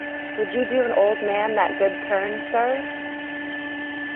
Would you do an old man that good turn, sir?